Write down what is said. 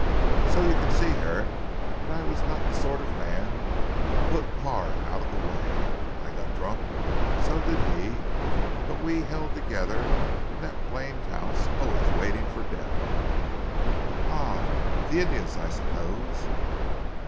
"So you can see Herrick that I was not the sort of man to put Carr out of the way. I got drunk, so did he but we held together in that blamed house always waiting for death." "Ah! The Indians, I suppose."